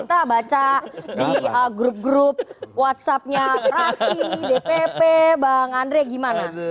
kita baca di grup grup whatsappnya fraksi dpp bang andre gimana